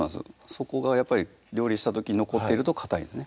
そこが料理した時に残っているとかたいんですね